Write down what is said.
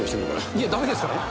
いや、だめですよ。